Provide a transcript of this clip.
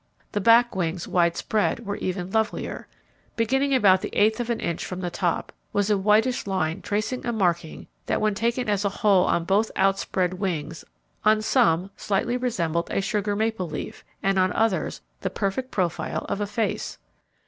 The back wings widespread were even lovelier. Beginning about the eighth of an inch from the top was a whitish line tracing a marking that when taken as a whole on both outspread wings, on some, slightly resembled a sugar maple leaf, and on others, the perfect profile of a face.